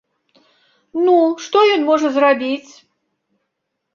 Ну, што ён можа зрабіць?